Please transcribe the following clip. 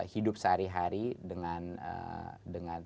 hidup sehari hari dengan